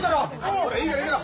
ほらいいからいいから。